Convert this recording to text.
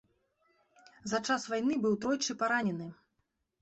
За час вайны быў тройчы паранены.